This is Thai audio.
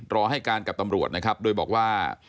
รอให้การกับตำรวจนะครับโดยบอกว่า